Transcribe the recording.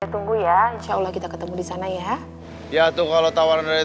tunggu ya insyaallah kita ketemu di sana ya ya tuh kalau tawaran dari